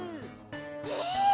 え！